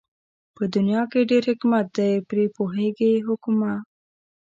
په دنيا کې ډېر حکمت دئ پرې پوهېږي حُکَما